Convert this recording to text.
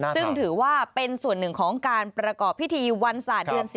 ซึ่งถือว่าเป็นส่วนหนึ่งของการประกอบพิธีวันศาสตร์เดือน๔